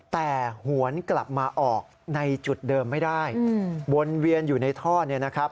แต่หวนกลับมาออกในจุดเดิมไม่ได้วนเวียนอยู่ในท่อเนี่ยนะครับ